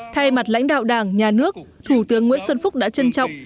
thay mặt lãnh đạo đảng nhà nước thủ tướng nguyễn xuân phúc đã trân trọng